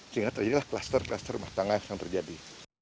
sehingga terjadilah kluster kluster rumah tangga yang terjadi